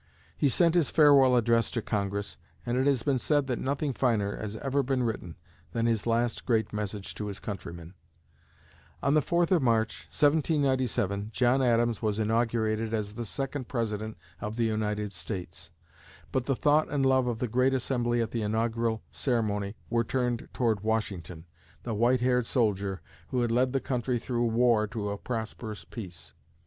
He sent his Farewell Address to Congress, and it has been said that nothing finer has ever been written than his last great message to his countrymen. On the 4th of March, 1797, John Adams was inaugurated as the second President of the United States. But the thought and love of the great assembly at the inaugural ceremony were turned toward Washington, the white haired soldier who had led the country through war to prosperous peace.